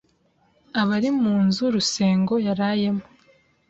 Abari mu nzu Rusengo yarayemo